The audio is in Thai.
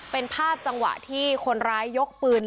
เป็นภาพจังหวะที่คนร้ายยกปืน